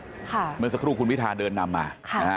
เมื่อสักครู่คุณวิทาเดินนำมา